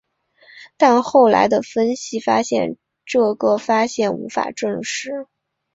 但后来的分析发现这个发现无法证实。